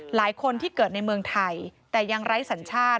หลายคนที่เกิดในเมืองไทยแต่ยังไร้สัญชาติ